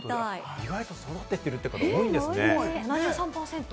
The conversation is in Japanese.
意外と育てている方、多いんですね。